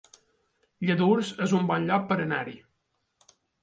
Lladurs es un bon lloc per anar-hi